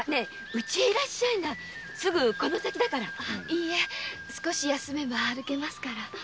いいえ少し休めば歩けますから。